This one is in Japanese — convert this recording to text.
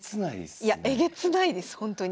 いやえげつないですほんとに。